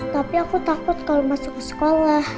tapi aku takut kalau masuk ke sekolah